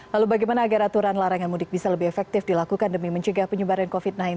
lalu bagaimana agar aturan larangan mudik bisa lebih efektif dilakukan demi mencegah penyebaran covid sembilan belas